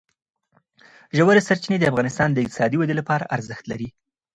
ژورې سرچینې د افغانستان د اقتصادي ودې لپاره ارزښت لري.